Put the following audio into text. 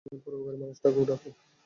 পরোপকারী মানুষটাকেও ডাকো।